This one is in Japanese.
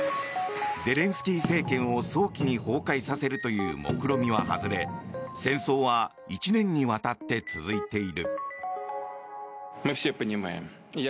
ゼレンスキー政権を早期に崩壊させるというもくろみは外れ戦争は１年にわたって続いている。